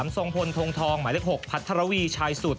ทรงพลทงทองหมายเลข๖พัทรวีชายสุด